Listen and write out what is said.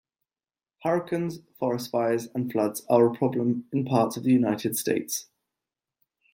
Hurricanes, forest fires and floods are a problem in parts of the United States.